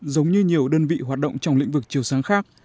giống như nhiều đơn vị hoạt động trong lĩnh vực chiều sáng khác